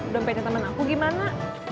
dompetnya temen aku gimana